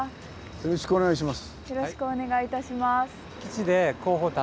よろしくお願いします。